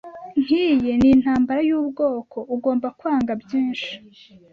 Nkiyi ni intambara yubwoko, ugomba kwanga byinshi